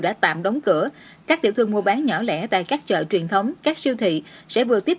đã tạm đóng cửa các tiểu thương mua bán nhỏ lẻ tại các chợ truyền thống các siêu thị sẽ vừa tiếp